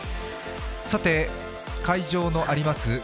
会場のあります